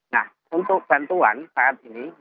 nah untuk bantuan saat ini